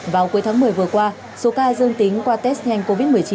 vào cuối tháng một mươi vừa qua số ca dương tính qua test nhanh covid một mươi chín